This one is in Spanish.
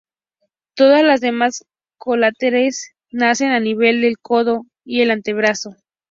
Todas las demás colaterales nacen a nivel del codo y el antebrazo.